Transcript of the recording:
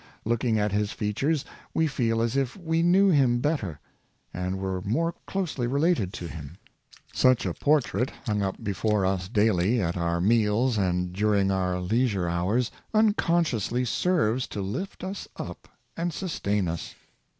Looking at his features, we feel as if we knew him bet ter, and vvere more closely related to him. Such a portrait, hung up before us daily, at our meals and dur ing our leisure hours, unconsciously serves to lift us up and sustain us.